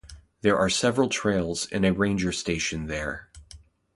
There are several trails and a ranger station there.